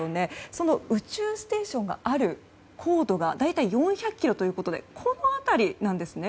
その宇宙ステーションがある高度が大体４００ｋｍでこの辺りなんですね。